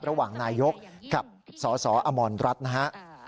ระหว่างนายกรัฐมนตรีกับสสอมรรดินะฮะ